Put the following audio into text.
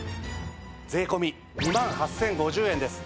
税込２万８０５０円です！